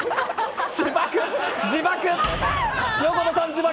自爆！